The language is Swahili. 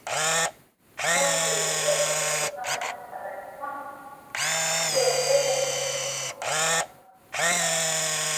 tatu lilonekana kwa mara ya kwanza Mwanamuziki huyo Jose Chameleone alinunua jozi moja ya